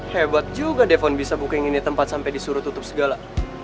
hebat juga defon bisa booking ini tempat sampai disuruh tutup segala